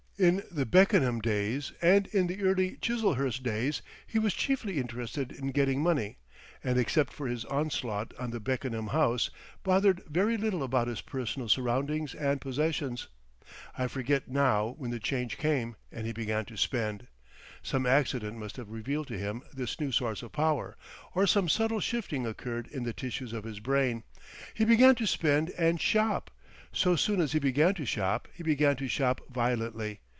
In the Beckenham days and in the early Chiselhurst days he was chiefly interested in getting money, and except for his onslaught on the Beckenham house, bothered very little about his personal surroundings and possessions. I forget now when the change came and he began to spend. Some accident must have revealed to him this new source of power, or some subtle shifting occurred in the tissues of his brain. He began to spend and "shop." So soon as he began to shop, he began to shop violently.